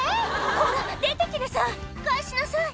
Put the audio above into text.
「こら出て来なさい返しなさい」